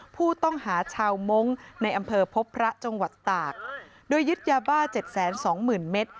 ผู้ต้องหาชาวมงค์ในอำเภอพบพระจังหวัดตากโดยยึดยาบ้าเจ็ดแสนสองหมื่นเมตร